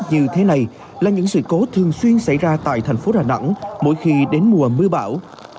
như thế này là những sự cố thường xuyên xảy ra tại thành phố đà nẵng mỗi khi đến mùa mưa bão